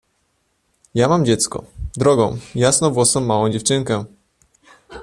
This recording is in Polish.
"Ja mam dziecko, drogą, jasnowłosą, małą dziewczynkę."